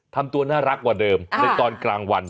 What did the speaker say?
ทำตัวน่ารักกว่าเดิมในตอนกลางวัน